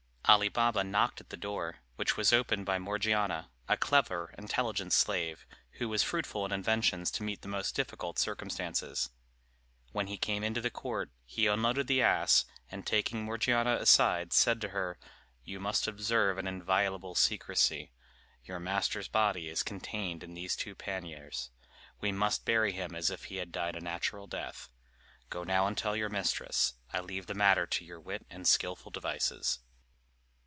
Ali Baba knocked at the door, which was opened by Morgiana, a clever, intelligent slave, who was fruitful in inventions to meet the most difficult circumstances. When he came into the court, he unloaded the ass, and taking Morgiana aside, said to her: "You must observe an inviolable secrecy. Your master's body is contained in these two panniers. We must bury him as if he had died a natural death. Go now and tell your mistress. I leave the matter to your wit and skilful devices."